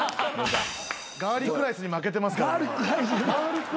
ガーリックライスに負けてますから。